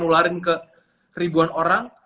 ngularin ke ribuan orang